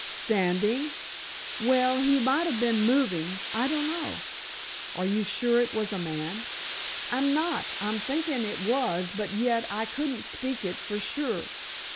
"Standing?" "Well, he might have been moving—I dunno." "Are you sure it was a man?" "I'm not. I'm thinkin' it was, but yet, I couldn't speak it for sure."